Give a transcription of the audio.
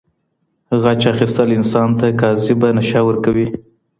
غچ اخیستل انسان ته کاذبه نشه ورکوي.